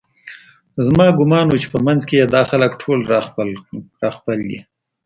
زما ګومان و چې په منځ کې یې دا خلک ټول راخپل دي